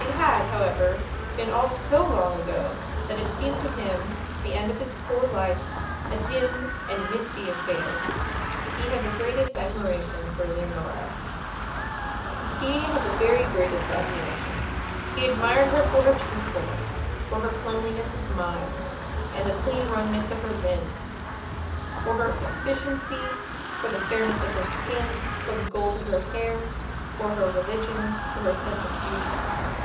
It had, however, been all so long ago that it seemed to him, at the end of his poor life, a dim and misty affair. He had the greatest admiration for Leonora. He had the very greatest admiration. He admired her for her truthfulness, for her cleanness of mind, and the clean run ness of her limbs, for her efficiency, for the fairness of her skin, for the gold of her hair, for her religion, for her sense of duty.